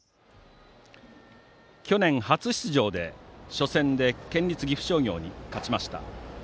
去年初出場で初戦で県立岐阜商業に勝ちました。